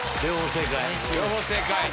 両方正解。